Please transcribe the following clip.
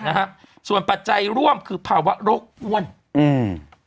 นะฮะส่วนปัจจัยร่วมคือภาวะโรคอ้วนอืม